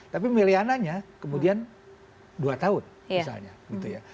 tapi meliananya kemudian dua tahun misalnya